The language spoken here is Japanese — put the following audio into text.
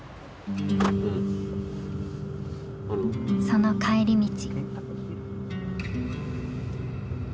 その帰り道。